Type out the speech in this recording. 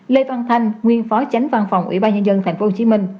lê văn thanh nguyên phó tránh văn phòng ủy ban nhân dân tp hcm